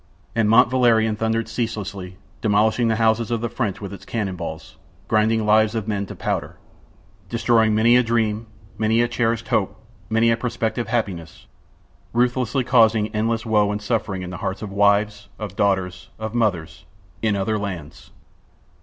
And Mont Valerien thundered ceaselessly, demolishing the houses of the French with its cannon balls, grinding lives of men to powder, destroying many a dream, many a cherished hope, many a prospective happiness; ruthlessly causing endless woe and suffering in the hearts of wives, of daughters, of mothers, in other lands.